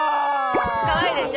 かわいいでしょ。